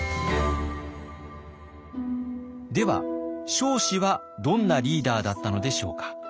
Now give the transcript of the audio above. では彰子はどんなリーダーだったのでしょうか？